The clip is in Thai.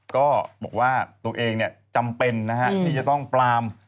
ก็บอกว่าตัวเองจำเป็นนะฮะที่จะต้องปราม